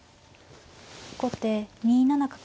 後手２七角。